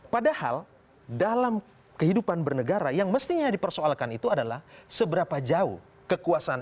padahal dalam kehidupan bernegara yang mestinya dipersoalkan itu adalah seberapa jauh kekuasaan